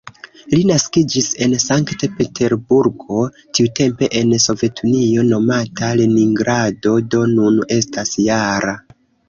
Li naskiĝis en Sankt-Peterburgo, tiutempe en Sovetunio nomata Leningrado, do nun estas -jara.